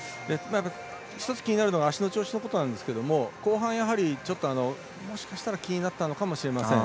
１つ気になるのが足の調子のことなんですけど後半、やはりもしかしたら気になったのかもしれません。